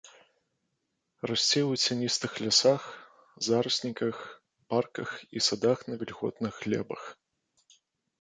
Расце ў цяністых лясах, зарасніках, парках і садах на вільготных глебах.